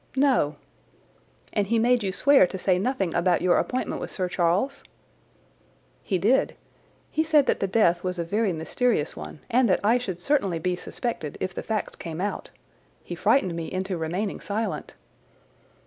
"No." "And he made you swear to say nothing about your appointment with Sir Charles?" "He did. He said that the death was a very mysterious one, and that I should certainly be suspected if the facts came out. He frightened me into remaining silent."